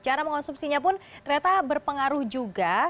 cara mengonsumsinya pun ternyata berpengaruh juga